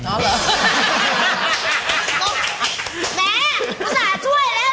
แม่ภาษาช่วยเลย